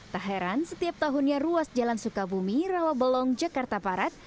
tak heran setiap tahunnya ruas jalan sukabumi rawabelong jakarta barat